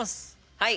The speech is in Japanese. はい！